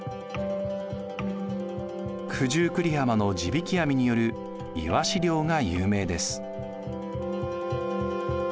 九十九里浜の地引き網によるいわし漁が有名です。